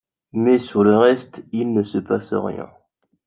Mais sur le reste, il ne se passe rien.